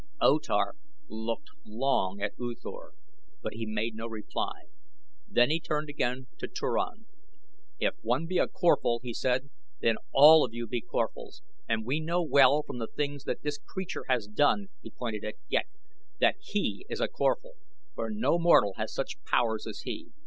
O Tar looked long at U Thor, but he made no reply. Then he turned again to Turan. "If one be a Corphal," he said, "then all of you be Corphals, and we know well from the things that this creature has done," he pointed at Ghek, "that he is a Corphal, for no mortal has such powers as he.